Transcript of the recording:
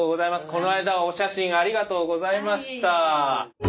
この間はお写真ありがとうございました。